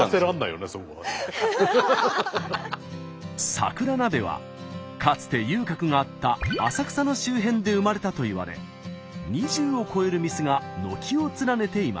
桜鍋はかつて遊郭があった浅草の周辺で生まれたといわれ２０を超える店が軒を連ねていました。